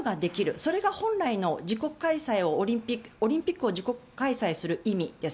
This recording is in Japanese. それが本来のオリンピックを自国開催する意味です。